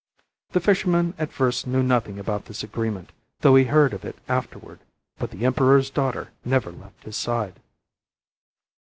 The fisherman at first knew nothing about this agreement, though he heard of it afterward, but the emperor's daughter never left his side.